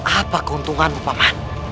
apa keuntunganmu paman